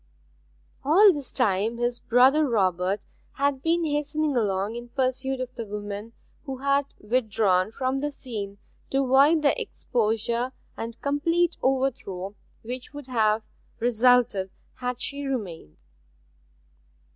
All this time his brother Robert had been hastening along in pursuit of the woman who had withdrawn from the scene to avoid the exposure and complete overthrow which would have resulted had she remained.